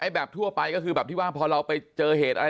แบบทั่วไปก็คือแบบที่ว่าพอเราไปเจอเหตุอะไร